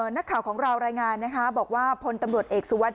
นักข่าวของเรารายงานนะคะบอกว่าพลตำรวจเอกสุวัสด